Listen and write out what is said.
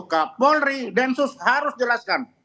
kapolri densus harus jelaskan